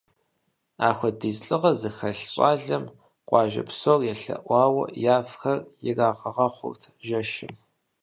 Апхуэдиз лӏыгъэ зыхэлъ щӏалэм къуажэ псор елъэӏуауэ явхэр ирагъэгъэхъурт жэщым.